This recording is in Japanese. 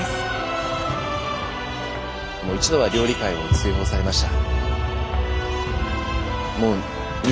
もう一度は料理界を追放されました。